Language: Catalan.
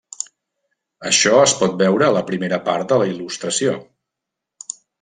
Això es pot veure a la primera part de la il·lustració.